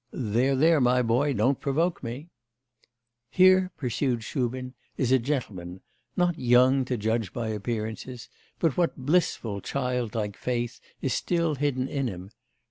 'There, there, my boy, don't provoke me.' 'Here,' pursued Shubin, 'is a gentleman, not young to judge by appearances, but what blissful, child like faith is still hidden in him!